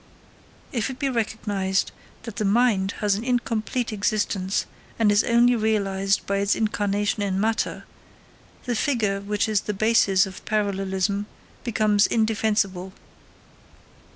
If it be recognised that the mind has an incomplete existence and is only realised by its incarnation in matter, the figure which is the basis of parallelism becomes indefensible.